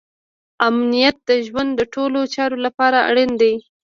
امنیت د ژوند د ټولو چارو لپاره اړین دی.